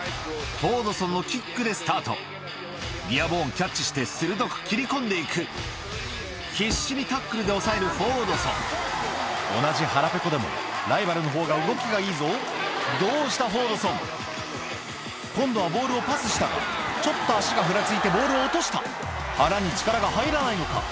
キャッチして鋭く切り込んでいく必死にタックルで抑えるフォードソン同じ腹ペコでもライバルの方が動きがいいぞどうしたフォードソン今度はボールをパスしたがちょっと足がふらついてボールを落とした腹に力が入らないのか？